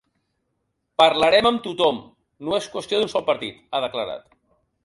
Parlarem amb tothom, no és qüestió d’un sol partit, ha declarat.